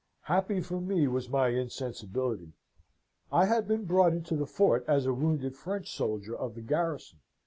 "Happy for me was my insensibility. I had been brought into the fort as a wounded French soldier of the garrison.